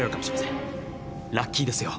ラッキーですよ。